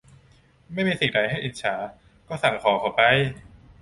ไม่มีสิ่งใดให้อิจฉา ก็สั่งของเขาไป